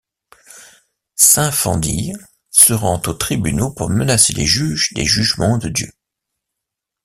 Saint Fandille se rend aux tribunaux pour menacer les juges des jugements de Dieu.